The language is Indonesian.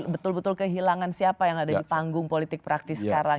betul betul kehilangan siapa yang ada di panggung politik praktis sekarang